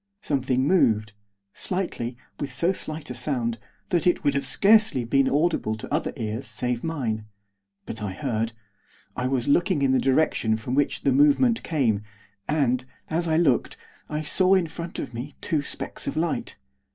Something moved. Slightly, with so slight a sound, that it would scarcely have been audible to other ears save mine. But I heard. I was looking in the direction from which the movement came, and, as I looked, I saw in front of me two specks of light.